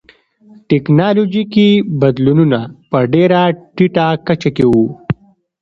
ټکنالوژیکي بدلونونه په ډېره ټیټه کچه کې و